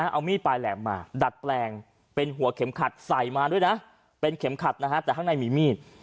เอามีดปลายแหลมมาดัดแปลงเป็นหัวเข็มขัดใส่มาด้วยนะเป็นเข็มขัดนะฮะแต่ข้างในมีมีด